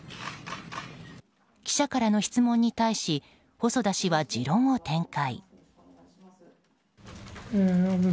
記者からの質問に対し細田氏は持論を展開。